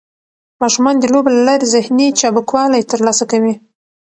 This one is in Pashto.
ماشومان د لوبو له لارې ذهني چابکوالی ترلاسه کوي.